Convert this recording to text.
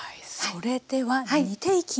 それでは煮ていきます。